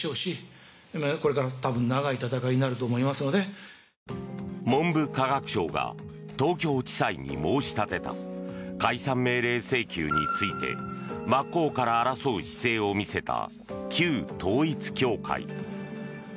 メロメロ文部科学省が東京地裁に申し立てた解散命令請求について真っ向から争う姿勢を見せた旧統一教会。